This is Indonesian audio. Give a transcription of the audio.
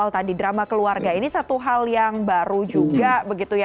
tadi drama keluarga ini satu hal yang baru juga begitu ya